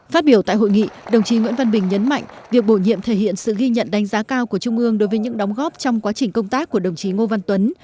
phát biểu tại hội nghị đồng chí nguyễn văn bình nhấn mạnh việc bổ nhiệm thể hiện sự ghi nhận đánh giá cao của trung ương đối với những đóng góp trong quá trình công tác của đồng chí ngô văn tuấn